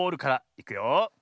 いくよ。